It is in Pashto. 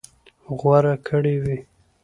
غوره کړى وي.